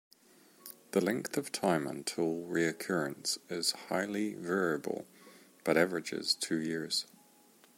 The length of time until recurrence is highly variable but averages two years.